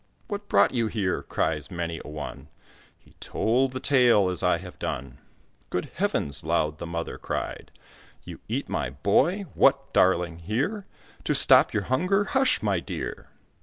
"What brought you here?" cries many a one; He told the tale as I have done. "Good Heavens!" loud the Mother cried; "You eat my boy! what! darling here To stop your hunger? Hush! my dear."